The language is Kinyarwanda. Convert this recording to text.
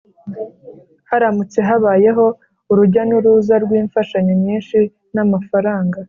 haramutse habayeho urujya n'uruza rw'imfashanyo nyinshi n'amafaranga